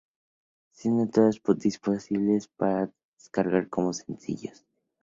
Siendo todas disponibles para descargar como sencillos.